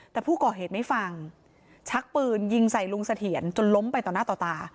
แต่ผู้ก่อเหตุไม่ฟังชักปืนยิงใส่ลุงเสถียรจนล้มไปต่อหน้าต่อตา